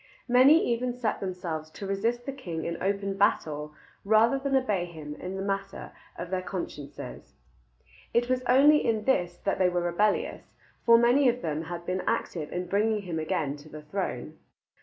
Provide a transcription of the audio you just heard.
Many even set themselves to resist the king in open battle rather than obey him in the matter of their consciences. It was only in this that they were rebellious, for many of them had been active in bringing him again to the throne.